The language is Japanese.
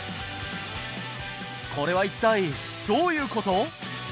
これは一体どういうこと？